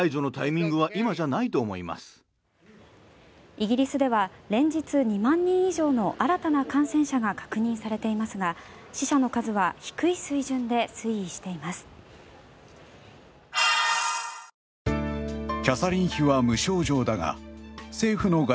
イギリスでは連日２万人以上の新たな感染者が確認されていますが死者の数は低い水準で推移しています。